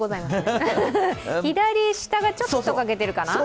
左下がちょっと欠けてるかな？